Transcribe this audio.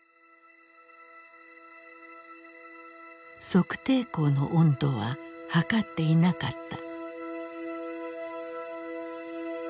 測定口の温度は測っていなかった。